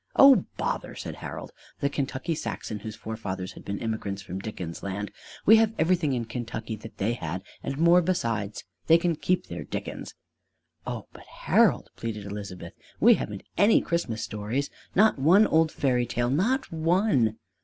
"Oh, bother!" said Harold, the Kentucky Saxon whose forefathers had been immigrants from Dickens' land. "We have everything in Kentucky that they had, and more besides. They can keep their Dickens!" "Oh, but Harold," pleaded Elizabeth, "we haven't any American Christmas stories! Not one old fairy tale not one!"